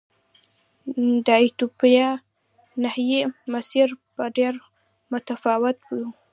د ایتوپیا نهايي مسیر به ډېر متفاوت و.